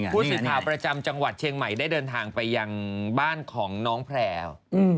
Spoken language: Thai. ผู้สื่อข่าวประจำจังหวัดเชียงใหม่ได้เดินทางไปยังบ้านของน้องแพลว